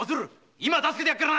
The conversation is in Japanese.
今助けてやるからな！